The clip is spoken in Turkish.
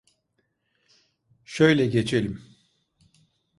Şöyle geçelim.